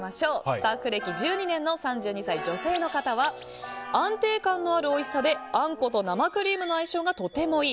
スタッフ歴１２年の３２歳女性の方は安定感のあるおいしさであんこと生クリームの相性がとてもいい。